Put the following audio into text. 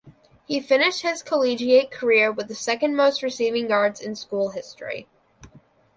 He finished his collegiate career with the second most receiving yards in school history.